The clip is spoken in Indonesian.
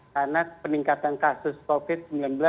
karena peningkatan kasus covid sembilan belas